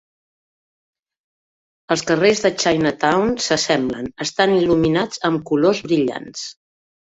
Els carrers de Chinatown s'assemblen, estan il·luminats amb colors brillants.